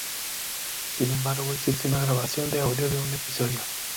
Sin embargo, existe una grabación de audio de un episodio.